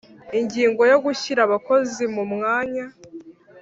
Ingingo yoGushyira abakozi mu myanya